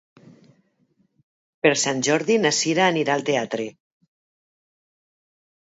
Per Sant Jordi na Sira anirà al teatre.